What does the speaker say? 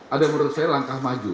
ada menurut saya langkah maju